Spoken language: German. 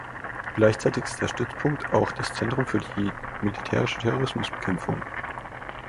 Gleichzeitig ist der Stützpunkt auch das Zentrum für die militärische Terrorismusbekämpfung.